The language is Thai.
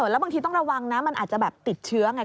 แล้วบางทีต้องระวังนะมันอาจจะแบบติดเชื้อไง